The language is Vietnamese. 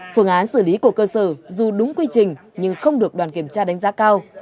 phương án xử lý của cơ sở dù đúng quy trình nhưng không được đoàn kiểm tra đánh giá cao